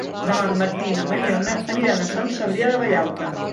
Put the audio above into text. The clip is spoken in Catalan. Demà en Martí i na Mariona aniran a Sant Cebrià de Vallalta.